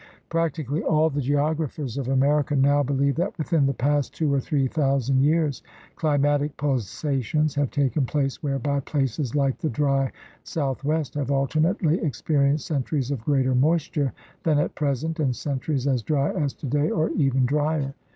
Practically all the geographers of America now be lieve that within the past two or three thousand years climatic pulsations have taken place whereby places like the dry Southwest have alternately ex perienced centuries of greater moisture than at present and centuries as dry as today or even drier.